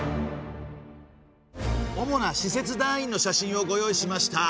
主な使節団員の写真をご用意しました。